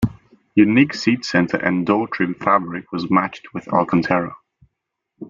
Unique seat center and door trim fabric was matched with Alcantara.